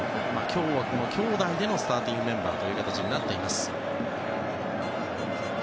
今日は兄弟でのスターティングメンバーとなっています。